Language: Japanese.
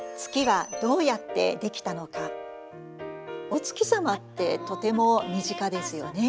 お月様ってとても身近ですよね。